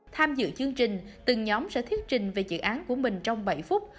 tham dự chương trình từng nhóm sẽ thuyết trình về dự án của mình trong bảy phút